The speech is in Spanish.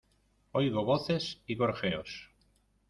oigo voces y gorjeos: